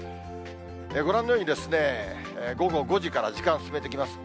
ご覧のように、午後５時から時間進めていきます。